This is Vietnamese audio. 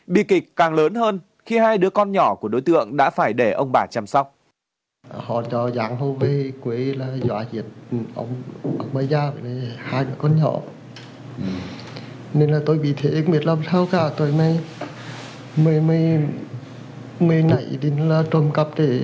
bi kịch càng lớn hơn khi hai đứa con nhỏ của đối tượng đã phải để ông bà chăm sóc